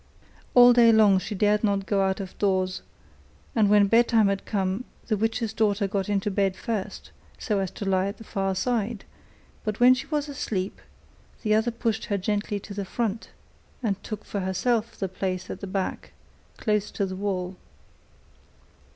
All day long she dared not go out of doors, and when bedtime had come, the witch's daughter got into bed first, so as to lie at the far side, but when she was asleep, the other pushed her gently to the front, and took for herself the place at the back, close by the wall.